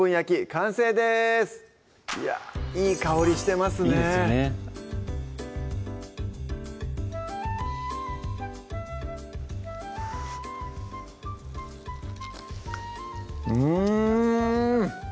完成ですいやいい香りしてますねいいですよねうん！